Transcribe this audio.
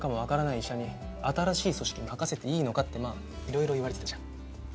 医者に新しい組織任せていいのかってまあ色々言われてたじゃん